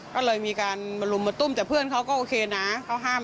ก็เลยมีการมาลุมมาตุ้มแต่เพื่อนเขาก็โอเคนะเขาห้าม